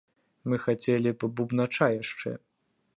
Мы хацелі б бубнача яшчэ.